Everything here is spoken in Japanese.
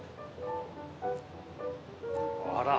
あら。